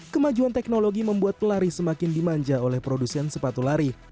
kemajuan teknologi membuat pelari semakin dimanja oleh produsen sepatu lari